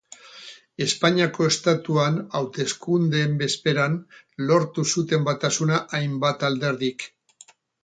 Espainiako Estatuan hauteskundeen bezperan lortu zuten batasuna hainbat alderdik.